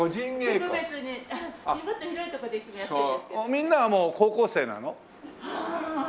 みんなはもう高校生なの？